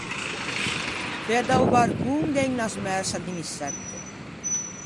Feua da-o barcon gh’é unna smersa d’insetto.